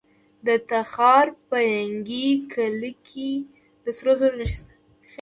د تخار په ینګي قلعه کې د سرو زرو نښې شته.